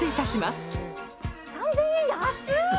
３０００円安い！